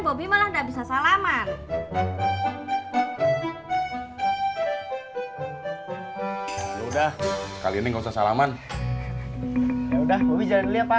bobby malah nggak bisa salaman udah kali ini nggak usah salaman ya udah lebih jalan lihat pak